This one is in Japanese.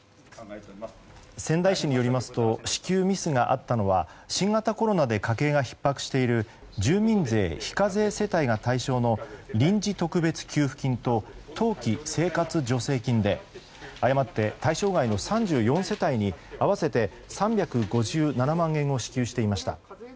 仙台市によりますと支給ミスがあったのは新型コロナで家計がひっ迫している住民税非課税世帯が対象の臨時特別給付金と冬季生活助成金で誤って対象外の３４世帯に合わせて３５７万円を支給していました。